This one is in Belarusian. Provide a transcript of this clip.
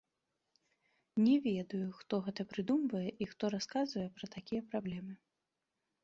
Не ведаю, хто гэта прыдумвае і хто расказвае пра такія праблемы!